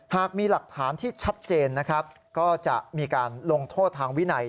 หากมีหลักฐานที่ชัดเจนนะครับก็จะมีการลงโทษทางวินัย